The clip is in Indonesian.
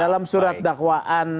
dalam surat dakwaan